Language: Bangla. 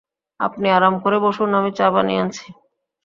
আপনি আরাম করে বসুন, আমি চা বানিয়ে আনছি।